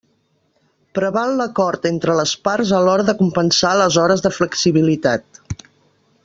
Preval l'acord entre les parts a l'hora de compensar les hores de flexibilitat.